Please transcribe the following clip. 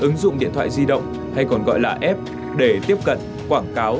ứng dụng điện thoại di động hay còn gọi là app để tiếp cận quảng cáo